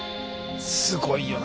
すごいよな。